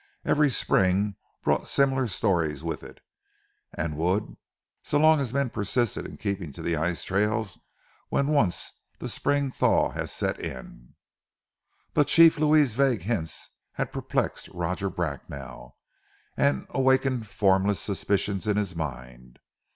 Every spring brought similar stories with it; and would, so long as men persisted in keeping to the ice trails when once the spring thaw had set in. But Chief Louis's vague hints had perplexed Roger Bracknell, and awakened formless suspicions in his mind.